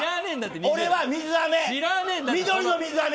俺は水あめ！